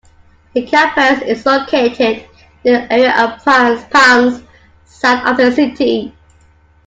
The campus is located in the area of Pance, south of the city.